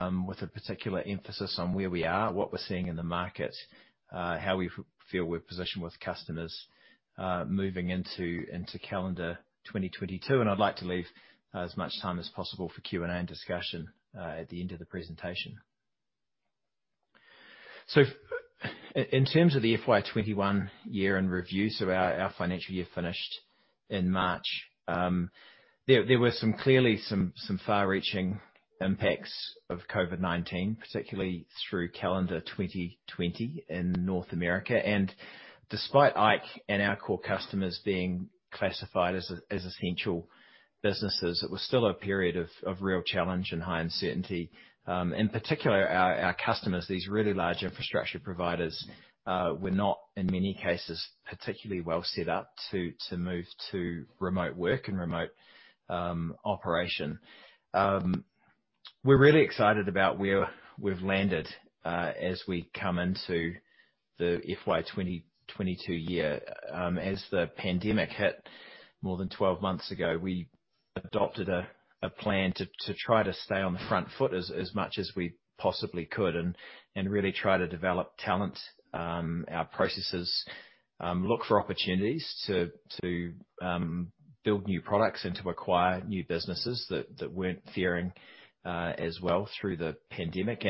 With a particular emphasis on where we are, what we're seeing in the market, how we feel we're positioned with customers moving into calendar 2022. I'd like to leave as much time as possible for Q&A discussion at the end of the presentation. In terms of the FY21 year-end review, our financial year finished in March. There were clearly some far-reaching impacts of COVID-19, particularly through calendar 2020 in North America. Despite IKE and our core customers being classified as essential businesses, it was still a period of real challenge and high uncertainty. In particular, our customers, these really large infrastructure providers, were not, in many cases, particularly well set up to move to remote work and remote operation. We're really excited about where we've landed as we come into the FY2022 year. As the pandemic hit more than 12 months ago, we adopted a plan to try to stay on the front foot as much as we possibly could and really try to develop talent, our processes, look for opportunities to build new products and to acquire new businesses that weren't faring as well through the pandemic.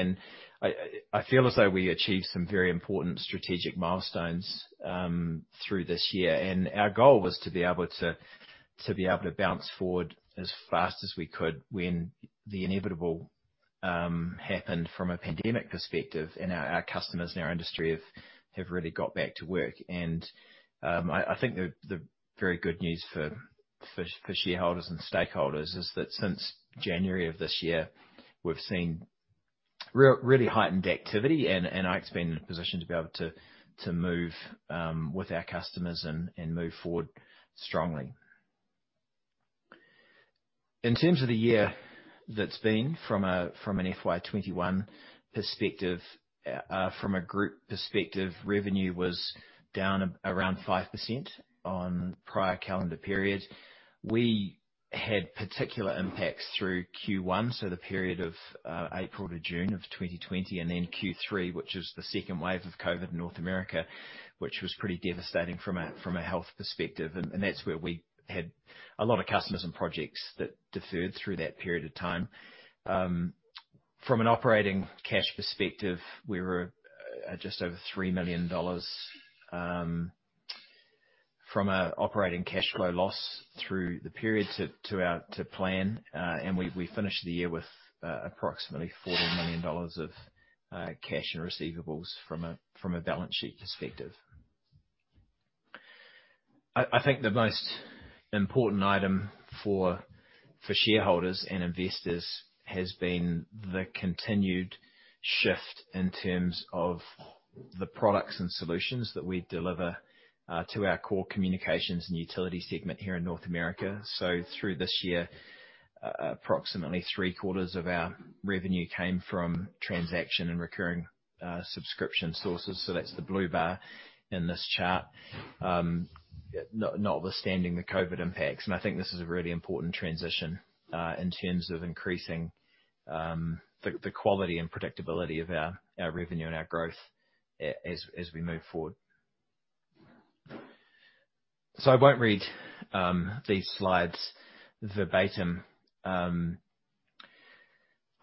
I feel as though we achieved some very important strategic milestones through this year. Our goal was to be able to bounce forward as fast as we could when the inevitable happened from a pandemic perspective. Our customers and our industry have really got back to work. I think the very good news for shareholders and stakeholders is that since January of this year, we've seen really heightened activity, and Ike's been in a position to be able to move with our customers and move forward strongly. In terms of the year that's been from an FY21 perspective, from a group perspective, revenue was down around 5% on prior calendar period. We had particular impacts through Q1, so the period of April to June of 2020, and then Q3, which was the second wave of COVID-19 in North America, which was pretty devastating from a health perspective. That's where we had a lot of customers and projects that deferred through that period of time. From an operating cash perspective, we were at just over 3 million dollars from an operating cash flow loss through the period to plan. We finished the year with approximately 40 million dollars of cash and receivables from a balance sheet perspective. I think the most important item for shareholders and investors has been the continued shift in terms of the products and solutions that we deliver to our core communications and utility segment here in North America. Through this year, approximately three-quarters of our revenue came from transaction and recurring subscription sources. That's the blue bar in this chart, not withstanding the COVID impacts. I think this is a really important transition in terms of increasing the quality and predictability of our revenue and our growth as we move forward. I won't read these slides verbatim. I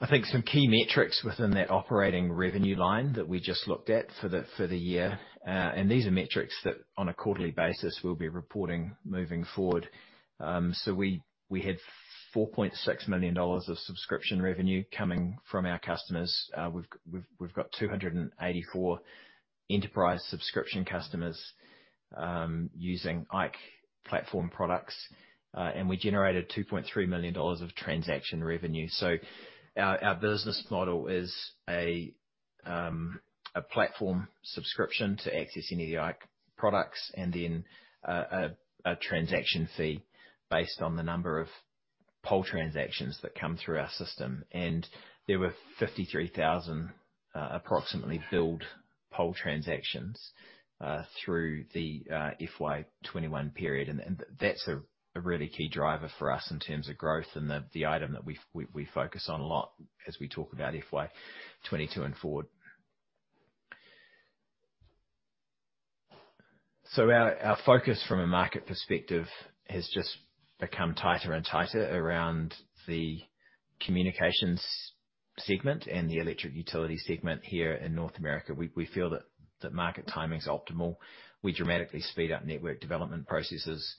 think some key metrics within that operating revenue line that we just looked at for the year, and these are metrics that on a quarterly basis we'll be reporting moving forward. We had 4.6 million dollars of subscription revenue coming from our customers. We've got 284 enterprise subscription customers using IKE platform products. We generated 2.3 million dollars of transaction revenue. Our business model is a platform subscription to accessing the IKE products and then a transaction fee based on the number of pole transactions that come through our system. There were 53,000 approximately billed pole transactions through the FY21 period. That's a really key driver for us in terms of growth and the item that we focus on a lot as we talk about FY22 and forward. Our focus from a market perspective has just become tighter and tighter around the communications segment and the electric utility segment here in North America. We feel that that market timing is optimal. We dramatically speed up network development processes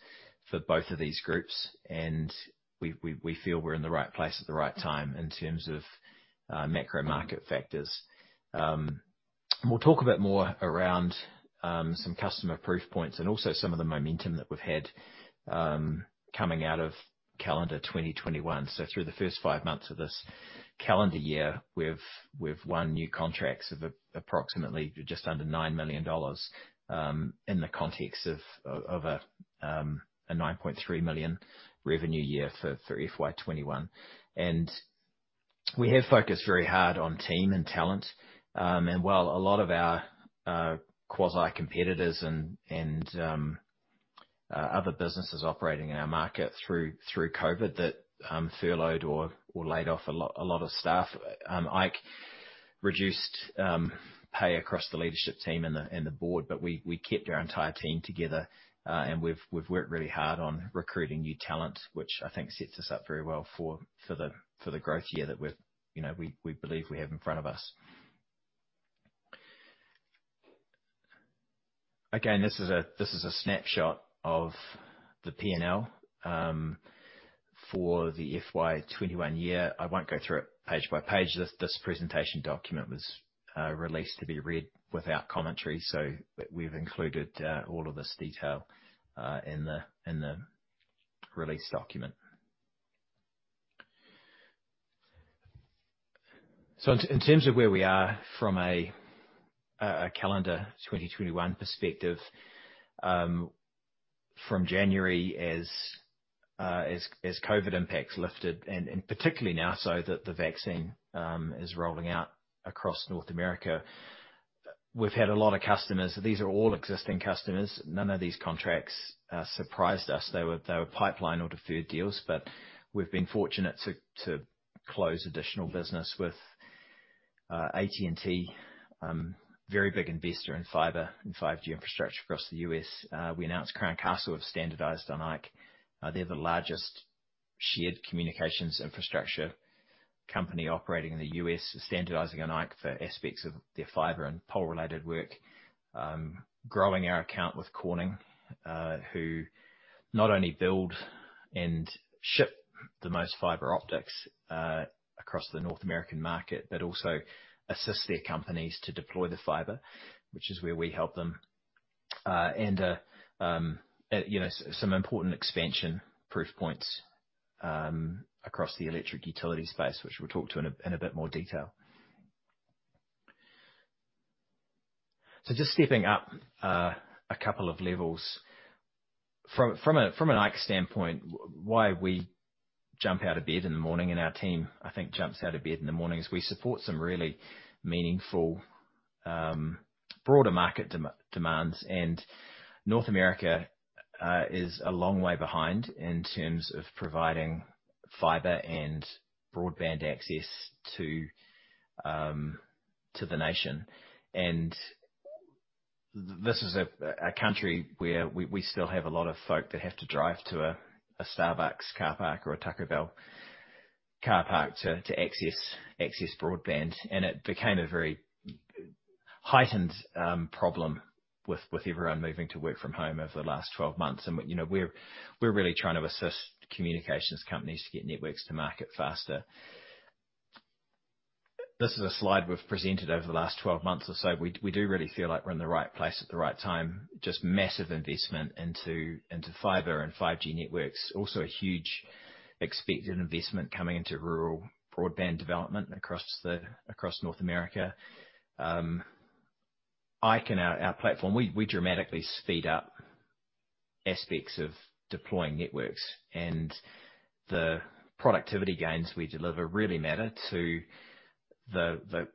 for both of these groups, and we feel we're in the right place at the right time in terms of macro market factors. We'll talk a bit more around some customer proof points and also some of the momentum that we've had coming out of calendar 2021. Through the first five months of this calendar year, we've won new contracts of approximately just under 9 million dollars in the context of a 9.3 million revenue year for FY 2021. We have focused very hard on team and talent. While a lot of our quasi competitors and other businesses operating in our market through COVID-19 that furloughed or laid off a lot of staff. Ike reduced pay across the leadership team and the board, but we kept our entire team together, and we've worked really hard on recruiting new talent, which I think sets us up very well for the growth year that we believe we have in front of us. Again, this is a snapshot of the P&L for the FY 2021 year. I won't go through it page by page. This presentation document was released to be read without commentary. We've included all of this detail in the release document. In terms of where we are from a calendar 2021 perspective, from January as COVID impacts lifted, and particularly now that the vaccine is rolling out across North America. We've had a lot of customers. These are all existing customers. None of these contracts surprised us. They were pipeline or deferred deals, we've been fortunate to close additional business with AT&T, a very big investor in fiber and 5G infrastructure across the U.S. We announced Crown Castle have standardized on Ike. They're the largest shared communications infrastructure company operating in the U.S., standardizing on Ike for aspects of their fiber and pole-related work. Growing our account with Corning, who not only build and ship the most fiber optics across the North American market, but also assist their companies to deploy the fiber, which is where we help them. Some important expansion proof points across the electric utility space, which we'll talk to in a bit more detail. Just stepping up a couple of levels. From an ikeGPS standpoint, why we jump out of bed in the morning and our team jumps out of bed in the morning, is we support some really meaningful broader market demands. North America is a long way behind in terms of providing fiber and broadband access to the nation. This is a country where we still have a lot of folk that have to drive to a Starbucks car park or a Taco Bell car park to access broadband. It became a very heightened problem with everyone moving to work from home over the last 12 months. We're really trying to assist communications companies to get networks to market faster. This is a slide we've presented over the last 12 months or so. We do really feel like we're in the right place at the right time. Just massive investment into fiber and 5G networks. Huge expected investment coming into rural broadband development across North America. Ike and our platform, we dramatically speed up aspects of deploying networks. The productivity gains we deliver really matter to the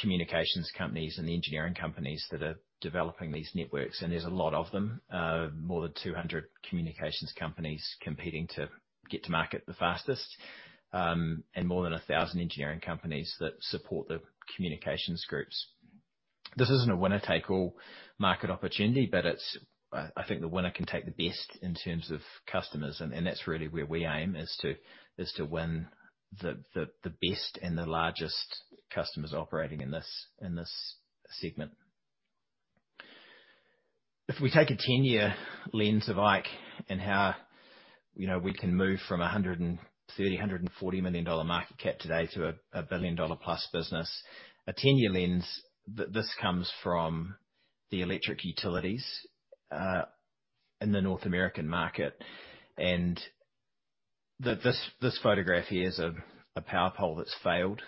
communications companies and engineering companies that are developing these networks. There's a lot of them, more than 200 communications companies competing to get to market the fastest, and more than 1,000 engineering companies that support the communications groups. This isn't a winner-take-all market opportunity. I think the winner can take the best in terms of customers. That's really where we aim, is to win the best and the largest customers operating in this segment. If we take a 10-year lens of Ike and how we can move from a 130 million dollar, NZD 140 million market cap today to a billion-NZD-plus business. A 10-year lens, this comes from the electric utilities in the North American market. This photograph here is of a power pole that's failed.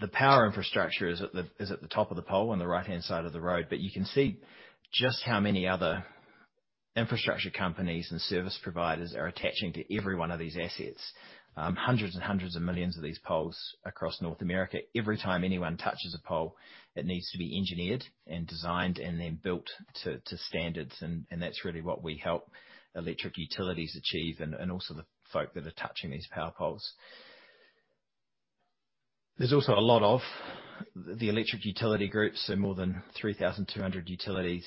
The power infrastructure is at the top of the pole on the right-hand side of the road. You can see just how many other infrastructure companies and service providers are attaching to every one of these assets. Hundreds and hundreds of millions of these poles across North America. Every time anyone touches a pole, it needs to be engineered and designed and then built to standards, and that's really what we help electric utilities achieve and also the folk that are touching these power poles. There's also a lot of the electric utility groups. More than 3,200 utilities.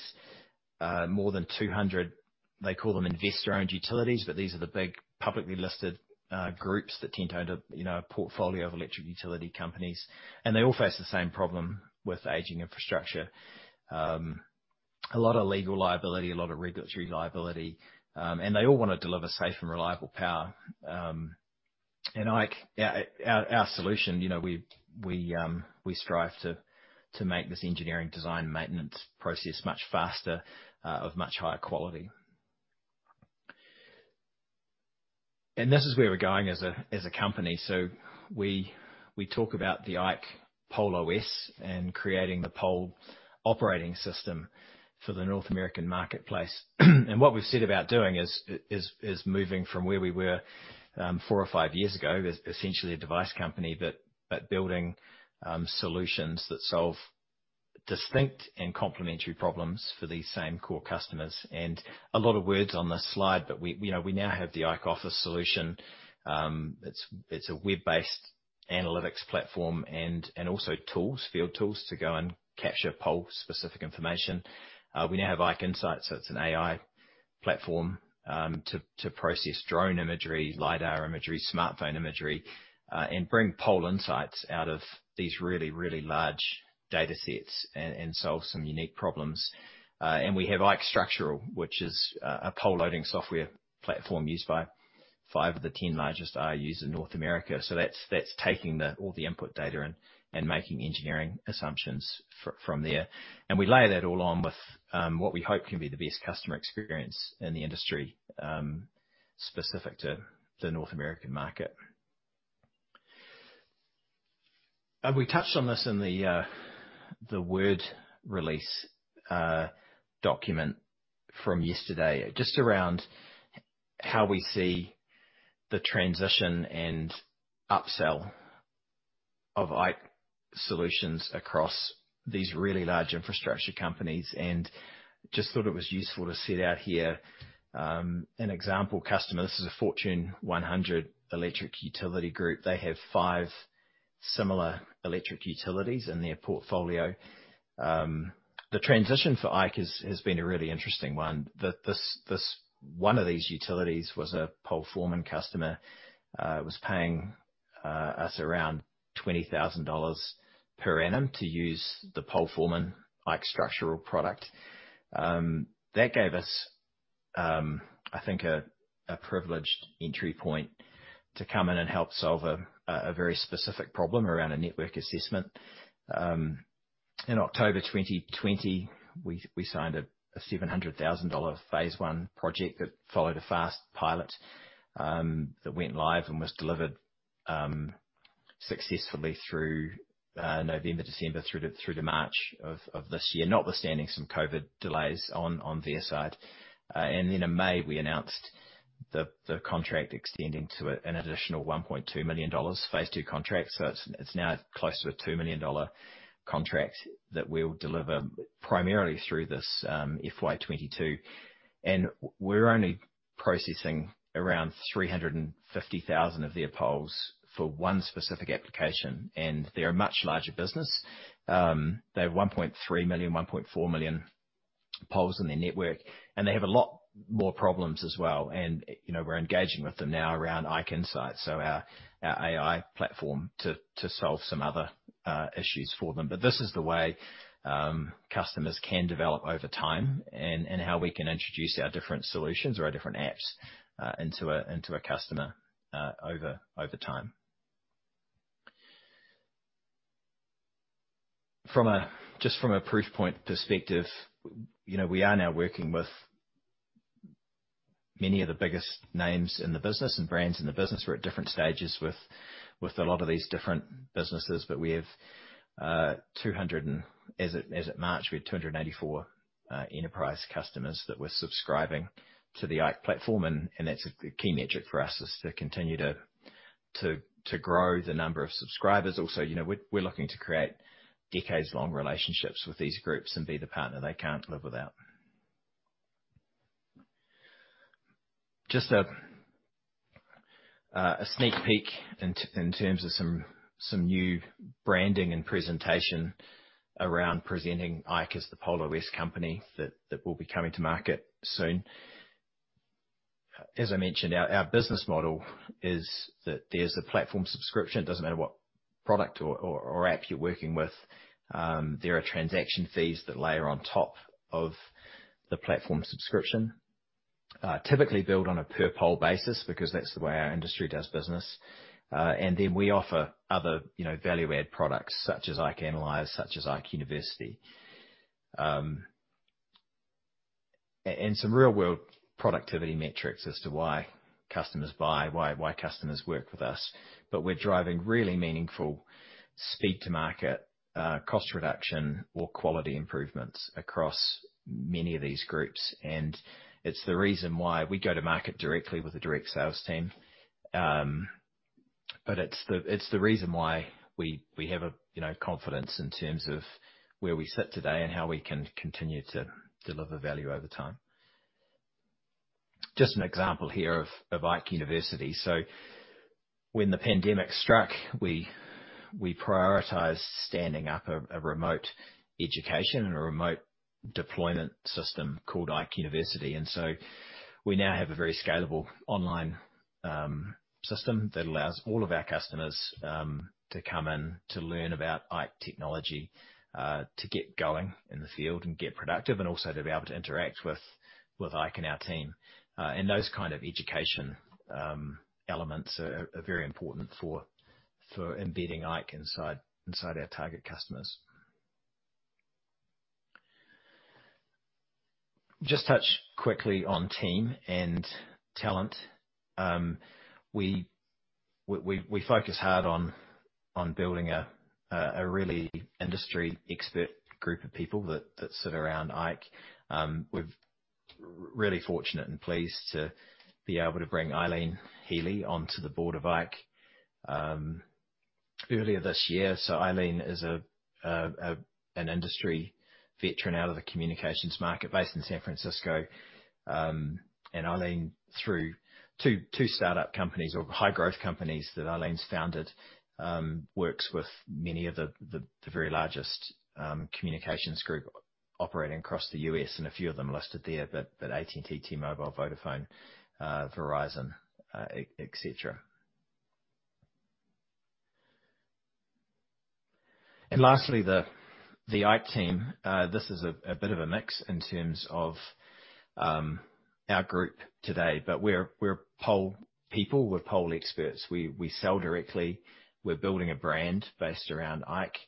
More than 200, they call them investor-owned utilities, but these are the big publicly listed groups that tend to own a portfolio of electric utility companies. They all face the same problem with aging infrastructure. A lot of legal liability, a lot of regulatory liability. They all want to deliver safe and reliable power. Ike, our solution, we strive to make this engineering design maintenance process much faster, of much higher quality. This is where we're going as a company. We talk about the IKE PoleOS and creating the pole operating system for the North American marketplace. What we've set about doing is moving from where we were four or five years ago, essentially a device company, but building solutions that solve distinct and complementary problems for these same core customers. A lot of words on this slide, but we now have the IKE Office solution. It's a web-based analytics platform and also tools, field tools, to go and capture pole-specific information. We now have IKE Insight. It's an AI platform to process drone imagery, LiDAR imagery, smartphone imagery, and bring pole insights out of these really, really large datasets and solve some unique problems. We have IKE Structural, which is a pole loading software platform used by five of the 10 largest IOUs in North America. That's taking all the input data in and making engineering assumptions from there. We layer that all on with what we hope can be the best customer experience in the industry, specific to the North American market. We touched on this in the word release document from yesterday, just around how we see the transition and upsell of IKE solutions across these really large infrastructure companies, and just thought it was useful to set out here an example customer. This is a Fortune 100 electric utility group. They have five similar electric utilities in their portfolio. The transition for IKE has been a really interesting one. One of these utilities was an IKE PoleForeman customer, was paying us around 20,000 dollars per annum to use the IKE PoleForeman IKE Structural product. That gave us a privileged entry point to come in and help solve a very specific problem around a network assessment. In October 2020, we signed a 700,000 dollar phase one project that followed a fast pilot, that went live and was delivered successfully through November, December through to March of this year, notwithstanding some COVID-19 delays on their side. In May, we announced the contract extending to an additional 1.2 million dollars phase two contract. It's now close to a 2 million dollar contract that we'll deliver primarily through this FY22. We're only processing around 350,000 of their poles for one specific application, and they're a much larger business. They have 1.3 million, 1.4 million poles in their network, and they have a lot more problems as well. We're engaging with them now around IKE Insight, so our AI platform to solve some other issues for them. This is the way customers can develop over time, and how we can introduce our different solutions or different apps into a customer over time. Just from a proof point perspective, we are now working with many of the biggest names in the business and brands in the business. We're at different stages with a lot of these different businesses, but as at March, we had 284 enterprise customers that were subscribing to the ikeGPS platform, and that's a key metric for us, is to continue to grow the number of subscribers. We're looking to create decades-long relationships with these groups and be the partner they can't live without. Just a sneak peek in terms of some new branding and presentation around presenting ikeGPS as the Pole OS company that will be coming to market soon. As I mentioned, our business model is that there's a platform subscription. Doesn't matter what product or app you're working with, there are transaction fees that layer on top of the platform subscription, typically billed on a per pole basis, because that's the way our industry does business. Then we offer other value-add products, such as IKE Analyze, such as IKE University. Some real-world productivity metrics as to why customers buy, why customers work with us. We're driving really meaningful speed to market, cost reduction or quality improvements across many of these groups. It's the reason why we go to market directly with a direct sales team. It's the reason why we have confidence in terms of where we sit today and how we can continue to deliver value over time. Just an example here of IKE University. When the pandemic struck, we prioritized standing up a remote education and a remote deployment system called IKE University. We now have a very scalable online system that allows all of our customers to come in to learn about IKE technology, to get going in the field and get productive, and also to be able to interact with IKE and our team. Those kind of education elements are very important for embedding IKE inside our target customers. Just touch quickly on team and talent. We focus hard on building a really industry expert group of people that sit around IKE. We're really fortunate and pleased to be able to bring Eileen Healy onto the board of ikeGPS earlier this year. Eileen is an industry veteran out of the communications market based in San Francisco. Eileen, through two startup companies or high-growth companies that Eileen's founded, works with many of the very largest communications group operating across the U.S., and a few of them are listed there, the AT&T, T-Mobile, Vodafone, Verizon, et cetera. Lastly, the Ike team. This is a bit of a mix in terms of our group today, we're pole people, we're pole experts. We sell directly. We're building a brand based around Ike,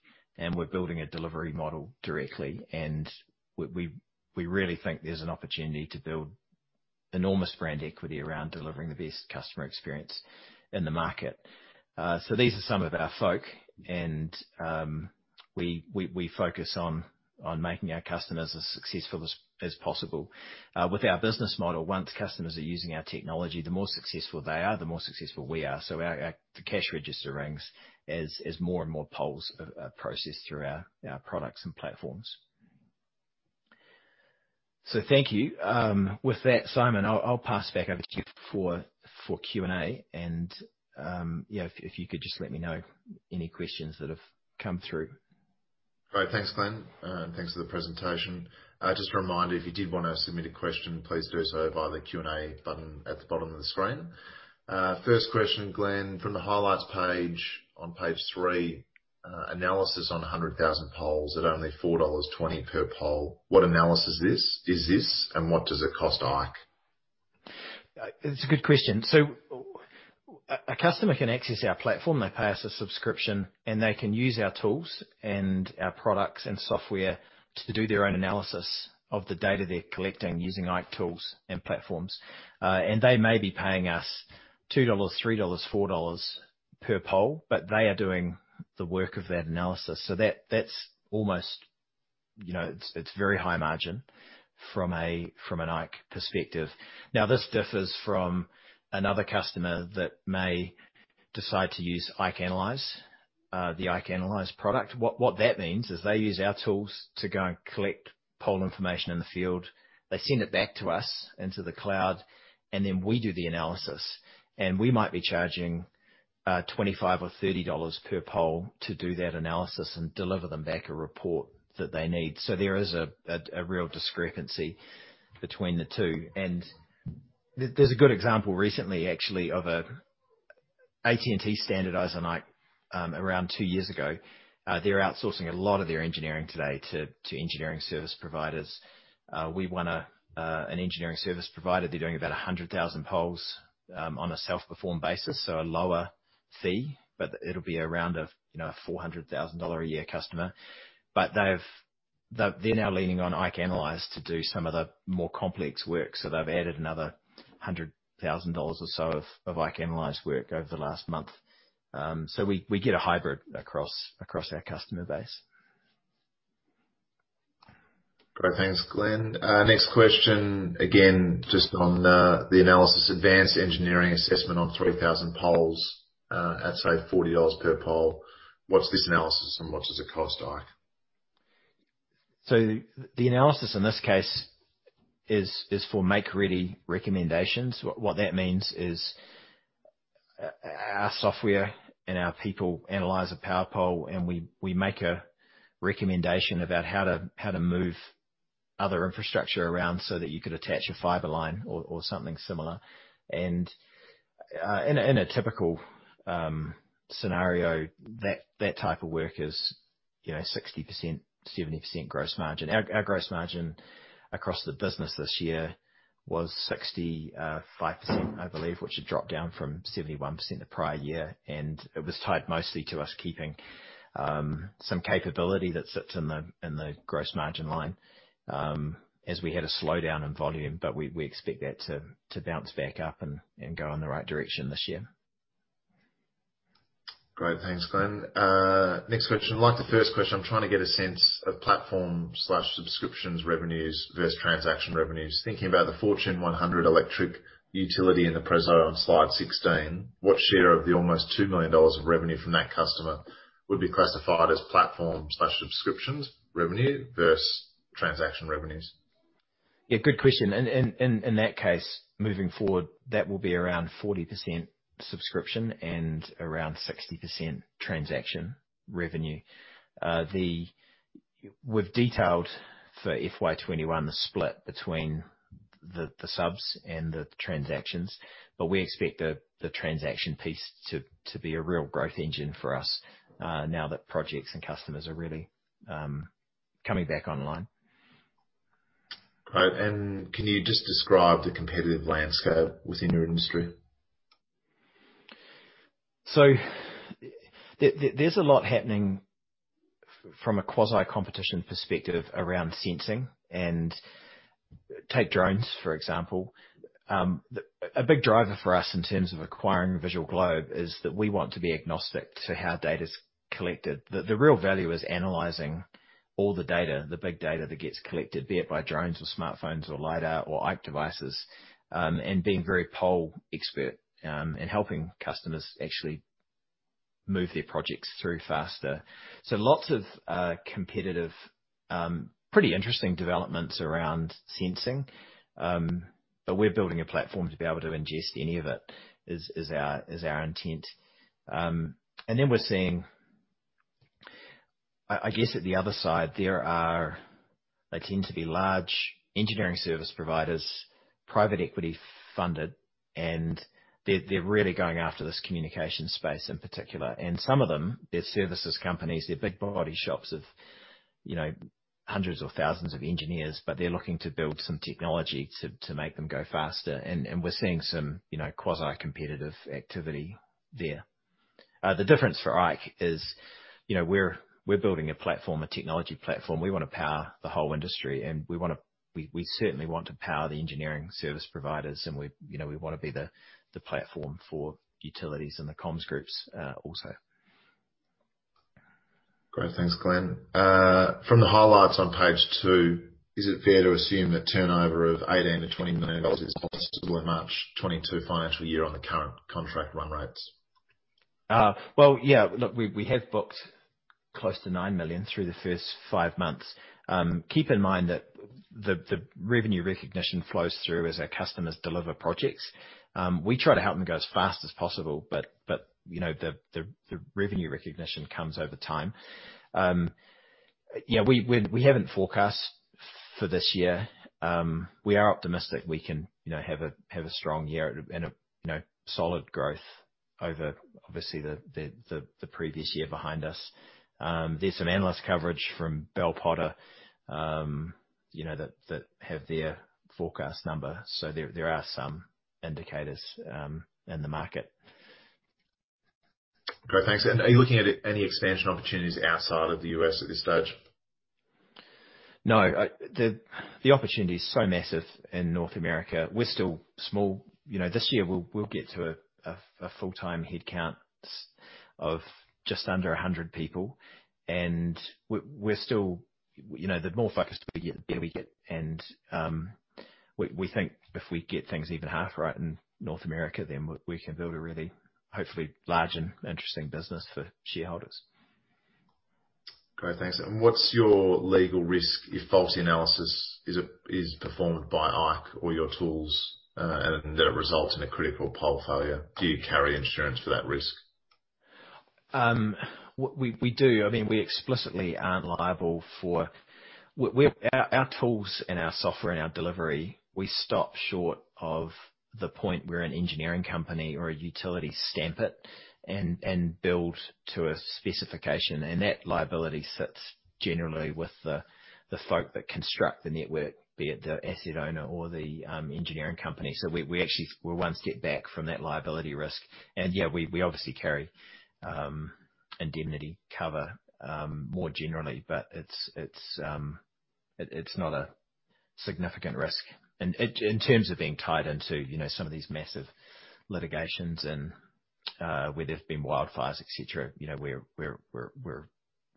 we're building a delivery model directly, we really think there's an opportunity to build enormous brand equity around delivering the best customer experience in the market. These are some of our folk, we focus on making our customers as successful as possible. With our business model, once customers are using our technology, the more successful they are, the more successful we are. The cash register rings as more and more poles are processed through our products and platforms. Thank you. With that, Simon, I'll pass back over to you for Q&A and if you could just let me know any questions that have come through. Great. Thanks, Glenn. Thanks for the presentation. Just a reminder, if you did want to submit a question, please do so via the Q&A button at the bottom of the screen. First question, Glenn, from the highlights page on page three, analysis on 100,000 poles at only 4.20 dollars per pole. What analysis is this, and what does it cost ikeGPS? It's a good question. A customer can access our platform, they pay us a subscription, and they can use our tools and our products and software to do their own analysis of the data they're collecting using ikeGPS tools and platforms. They may be paying us 2 dollars, 3 dollars, 4 dollars per pole, but they are doing the work of that analysis. That's almost. It's very high margin from an ikeGPS perspective. Now, this differs from another customer that may decide to use IKE Analyze, the IKE Analyze product. What that means is they use our tools to go and collect pole information in the field. They send it back to us into the cloud, and then we do the analysis. We might be charging 25 or 30 dollars per pole to do that analysis and deliver them back a report that they need. There is a real discrepancy between the two. There's a good example recently, actually, of AT&T standardizing ikeGPS around two years ago. They're outsourcing a lot of their engineering today to engineering service providers. We won an engineering service provider. They're doing about 100,000 poles on a self-perform basis, so a lower fee, but it'll be around a 400,000 dollar a year customer. They're now leaning on IKE Analyze to do some of the more complex work. They've added another 100,000 dollars or so of IKE Analyze work over the last month. We get a hybrid across our customer base. Great. Thanks, Glenn. Next question, again, just on the analysis, advanced engineering assessment on 3,000 poles at, say, 40 dollars per pole. What's this analysis, and what does it cost ikeGPS? The analysis in this case is for make-ready recommendations. What that means is our software and our people analyze a power pole, and we make a recommendation about how to move other infrastructure around so that you could attach a fiber line or something similar. In a typical scenario, that type of work is 60%-70% gross margin. Our gross margin across the business this year was 65%, I believe, which had dropped down from 71% the prior year, and it was tied mostly to us keeping some capability that sits in the gross margin line, as we had a slowdown in volume, but we expect that to bounce back up and go in the right direction this year. Great. Thanks, Glenn. Next question. Like the first question, I'm trying to get a sense of platform/subscriptions revenues versus transaction revenues. Thinking about the Fortune 100 electric utility in the presentation on slide 16, what share of the almost 2 million dollars of revenue from that customer would be classified as platform/subscriptions revenue versus transaction revenues? Yeah, good question. In that case, moving forward, that will be around 40% subscription and around 60% transaction revenue. We've detailed for FY21 the split between the subs and the transactions, but we expect the transaction piece to be a real growth engine for us now that projects and customers are really coming back online. Great. Can you just describe the competitive landscape within your industry? There's a lot happening from a quasi-competition perspective around sensing. Take drones, for example. A big driver for us in terms of acquiring Visual Globe is that we want to be agnostic to how data's collected. The real value is analyzing all the data, the big data that gets collected, be it by drones or smartphones or LiDAR or ike devices, and being very pole expert in helping customers actually move their projects through faster. Lots of competitive, pretty interesting developments around sensing. We're building a platform to be able to ingest any of it, is our intent. We're seeing at the other side, there tend to be large engineering service providers, private equity funded, and they're really going after this communication space in particular. Some of them, they're services companies, they're big body shops of hundreds or thousands of engineers, but they're looking to build some technology to make them go faster. We're seeing some quasi-competitive activity there. The difference for ikeGPS is we're building a platform, a technology platform. We want to power the whole industry, and we certainly want to power the engineering service providers, and we want to be the platform for utilities and the comms groups also. Great. Thanks, Glenn. From the highlights on page two, is it fair to assume that turnover of NZD 18 million-NZD 20 million is possible in March 2022 financial year on the current contract run rates? Look, we have booked close to 9 million through the first five months. Keep in mind that the revenue recognition flows through as our customers deliver projects. We try to help them go as fast as possible, but the revenue recognition comes over time. We haven't forecast for this year. We are optimistic we can have a strong year and a solid growth over obviously the previous year behind us. There's some analyst coverage from Bell Potter that have their forecast number. There are some indicators in the market. Great. Thanks. Are you looking at any expansion opportunities outside of the U.S. at this stage? No. The opportunity is so massive in North America. We are still small. This year, we will get to a full-time headcount of just under 100 people, and the more focused we get there. We think if we get things even half right in North America, then we can build a really, hopefully large and interesting business for shareholders. Great. Thanks. What's your legal risk if faulty analysis is performed by ikeGPS or your tools, and that results in a critical pole failure? Do you carry insurance for that risk? We do. We explicitly aren't liable. Our tools and our software and our delivery, we stop short of the point where an engineering company or a utility stamp it and build to a specification. That liability sits generally with the folk that construct the network, be it the asset owner or the engineering company. We're one step back from that liability risk. Yeah, we obviously carry indemnity cover more generally, but it's not a significant risk. In terms of being tied into some of these massive litigations and where there've been wildfires, et cetera, we're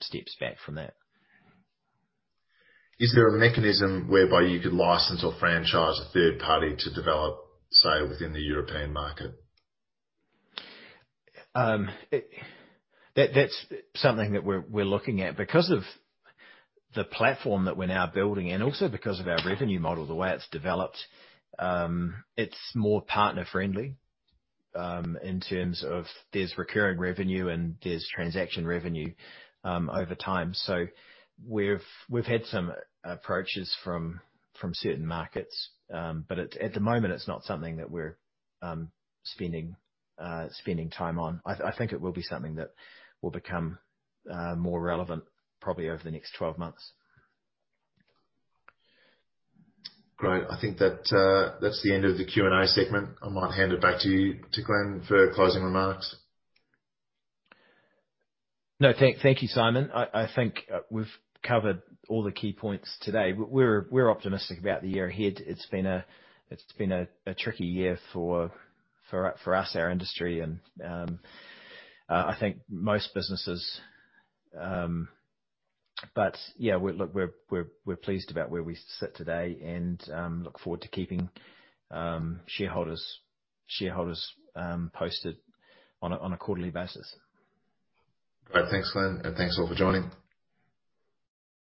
steps back from that. Is there a mechanism whereby you could license or franchise a third party to develop, say, within the European market? That's something that we're looking at. Because of the platform that we're now building, and also because of our revenue model, the way it's developed, it's more partner-friendly in terms of there's recurring revenue and there's transaction revenue over time. We've had some approaches from certain markets. At the moment, it's not something that we're spending time on. I think it will be something that will become more relevant probably over the next 12 months. Great. I think that's the end of the Q&A segment. I might hand it back to you, to Glenn, for closing remarks. No, thank you, Simon. I think we've covered all the key points today. We're optimistic about the year ahead. It's been a tricky year for us, our industry, and most businesses. Yeah, look, we're pleased about where we sit today and look forward to keeping shareholders posted on a quarterly basis. Great. Thanks, Glenn Milnes, and thanks all for joining.